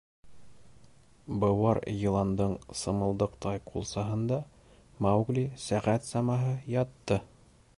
Быуар йыландың сымылдыҡтай ҡулсаһында Маугли сәғәт самаһы ятты.